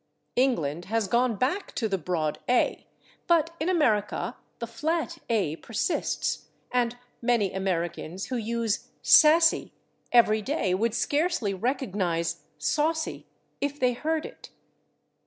England has gone back to the broad /a/, but in America the flat /a/ persists, and many Americans who use /sassy/ every day would scarcely recognize /saucy/ if they heard it.